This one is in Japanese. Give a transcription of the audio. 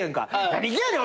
何がやねん！